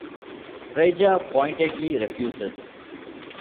Freyja pointedly refuses.